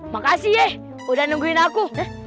makasih yeh udah nungguin aku